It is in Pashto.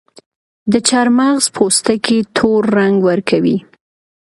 د چارمغز پوستکي تور رنګ ورکوي.